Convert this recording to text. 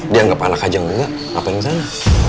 dia anggap anak aja enggak ngapain di sana